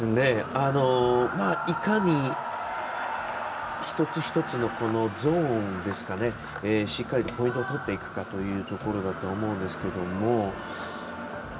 いかに一つ一つのゾーンしっかりとポイントを取っていくかというところだと思うんですけども。